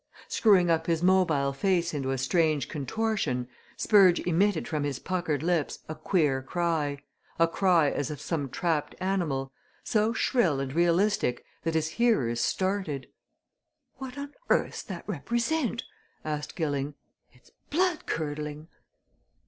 Screwing up his mobile face into a strange contortion, Spurge emitted from his puckered lips a queer cry a cry as of some trapped animal so shrill and realistic that his hearers started. "What on earth's that represent?" asked Gilling. "It's blood curdling?"